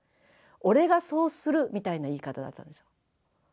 俺がそうするみたいな言い方だったんですよ。